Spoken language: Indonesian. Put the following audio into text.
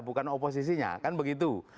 bukan oposisinya kan begitu